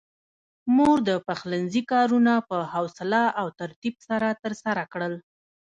مور د پخلنځي کارونه په حوصله او ترتيب سره ترسره کړل.